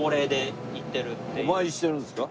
お参りしてるんですか？